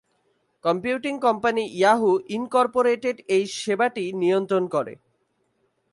Computing company Yahoo incorporated এই সেবাটি নিয়ন্ত্রণ করে।